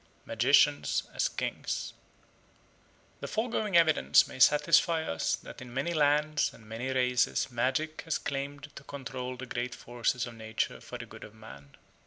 Magicians as Kings THE FOREGOING evidence may satisfy us that in many lands and many races magic has claimed to control the great forces of nature for the good of man.